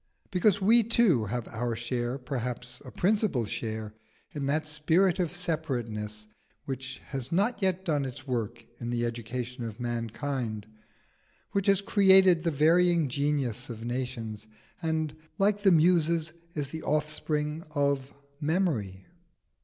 Because we too have our share perhaps a principal share in that spirit of separateness which has not yet done its work in the education of mankind, which has created the varying genius of nations, and, like the Muses, is the offspring of memory.